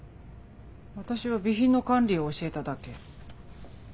私は備品の管理を教えただけ。